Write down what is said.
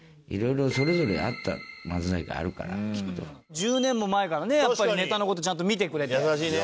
１０年も前からねやっぱりネタの事ちゃんと見てくれて。